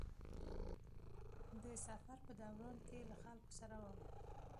د سفر په دوران کې له خلکو سره وم.